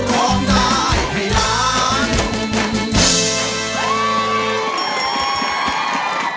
ร้องได้ค่ะ